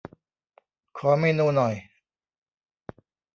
ขอเมนูหน่อย